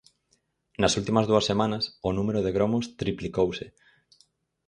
Nas últimas dúas semanas o número de gromos triplicouse.